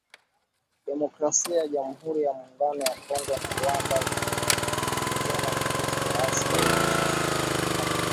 Demokrasia ya jamuhuri ya muungano ya Kongo na Rwanda zajibizana kuhusu waasi wa Machi ishirini na tatu